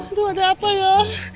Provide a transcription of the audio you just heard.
aduh ada apa ya